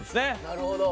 なるほど。